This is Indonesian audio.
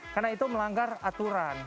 karena itu melanggar aturan